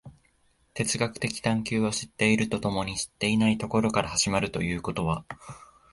哲学的探求は知っていると共に知っていないところから始まるということは、